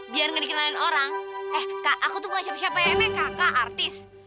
biar gak dikenalin orang eh kak aku tuh ngucap siapa yang emang kakak artis